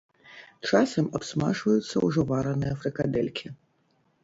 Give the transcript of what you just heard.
Часам абсмажваюцца ўжо вараныя фрыкадэлькі.